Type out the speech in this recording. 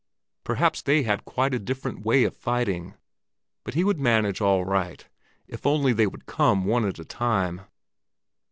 Perhaps they had quite a different way of fighting, but he would manage all right if only they would come one at a time.